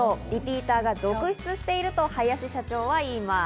リピーターが続出していると、林社長はいます。